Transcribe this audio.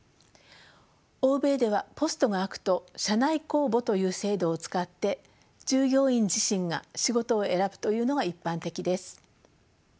欧米ではポストが空くと社内公募という制度を使って従業員自身が仕事を選ぶというのが一般的です。